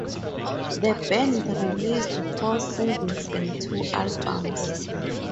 The band released four singles and two albums.